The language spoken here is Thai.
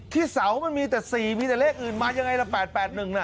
ที่เสามันมีแต่๔มีแต่เลขอื่นมายังไงล่ะ๘๘๑น่ะ